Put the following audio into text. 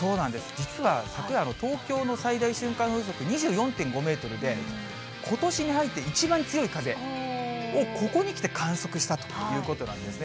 実は昨夜の東京の最大瞬間風速２４．５メートルで、ことしに入って一番強い風をここに来て観測したということなんですね。